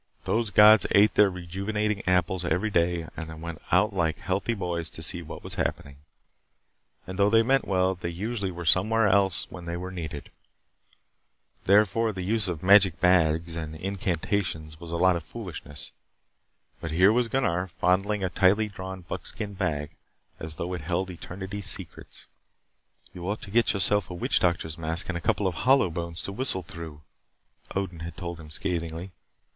Those gods ate their rejuvenating apples every day and then went out like healthy boys to see what was happening; and though they meant well they usually were somewhere else when they were needed. Therefore, the use of magic bags and incantations was a lot of foolishness. But here was Gunnar fondling a tightly drawn buckskin bag as though it held eternity's secrets. "You ought to get yourself a witch doctor's mask and a couple of hollowbones to whistle through," Odin had told him scathingly.